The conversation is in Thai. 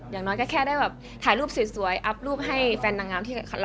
อย่างน้อยก็แค่ถ่ายรูปสวยอัปรูปให้แฟนนางงามรักเราดูดีกว่า